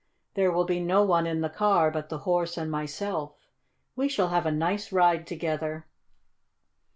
There will be no one in the car but the horse and myself. We shall have a nice ride together.